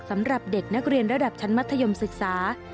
สำหรับเด็กนักเรียนระดับชั้นมัธยมศึกษา